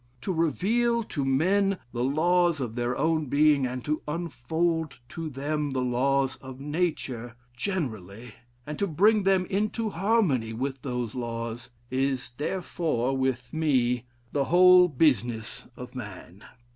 To reveal to men the laws of their own being, and to unfold to them the laws of nature generally, and to bring them into harmony with those laws, is, therefore, with me, the whole business of man.